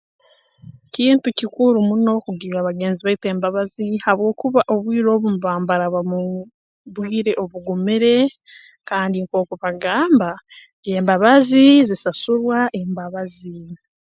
Kintu kikuru muno kugirra bagenzi baitu embabazi habwokuba obwire obu mbaba mbaraba mu bwire obugumire kandi nkooku bagamba embabazi zisasurwa embabazi